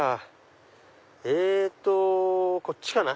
えっとこっちかな。